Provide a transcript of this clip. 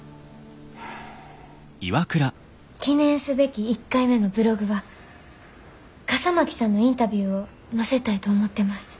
記念すべき１回目のブログは笠巻さんのインタビューを載せたいと思ってます。